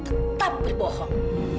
sekali berbohong tetap berbohong